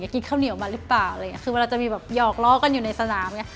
กินข้าวเหนียวมาหรือเปล่าคือเวลาจะมีหยอกลอกกันอยู่ในสนาม